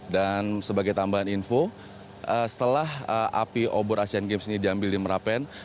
dan sebagai tambahan info setelah api obor asian games ini diambil di merapen